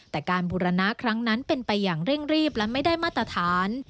แต่การบูรณะครั้งนั้นเป็นไปอย่างเร่งรีบและไม่ได้มาตรฐาน